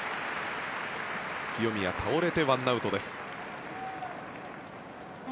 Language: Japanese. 清宮倒れて１アウトです。